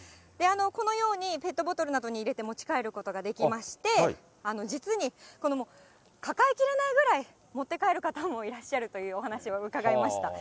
このようにペットボトルなどに入れて持ち帰ることができまして、実に抱えきれないぐらい持って帰る方もいらっしゃるというお話をうかがいました。